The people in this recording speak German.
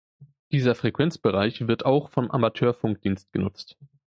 Dieser Frequenzbereich wird auch vom Amateurfunkdienst genutzt.